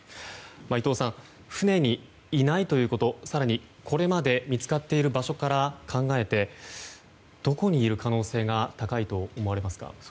伊藤さん、船にいないということ更にこれまで見つかっている場所から考えてどこにいる可能性が高いと思われますか？